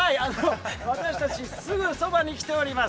私たちすぐそばに来ております。